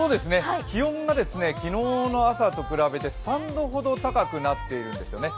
気温が昨日の朝と比べて３度ほど高くなっているんですよね